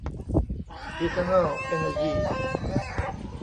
อีเทอเนิล เอนเนอยี